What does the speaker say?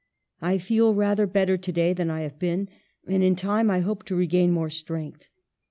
I feel rather better to day than I have been, and in time I hope to regain more strength.